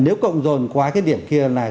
nếu cộng dồn quá cái điểm kia là